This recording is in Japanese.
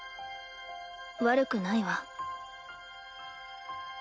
悪くないわ。